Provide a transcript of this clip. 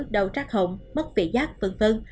đầu trắc hộng mất vị giác v v